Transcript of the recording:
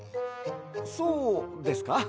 そうですか？